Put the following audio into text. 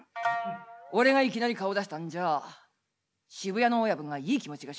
俺がいきなり顔を出したんじゃあ渋谷の親分がいい気持ちがしねえだろう。